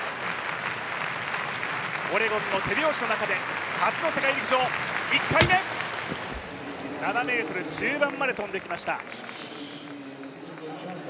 オレゴンの手拍子の中で初の世界陸上１回目７ｍ中盤まで跳んできました。